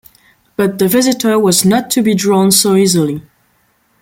But the visitor was not to be drawn so easily.